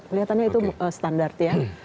kelihatannya itu standart ya